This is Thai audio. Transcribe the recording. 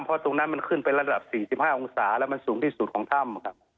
เพราะตรงนั้นมันขึ้นไประดับ๔๕องศาแล้วมันสูงที่สุดของถ้ำครับ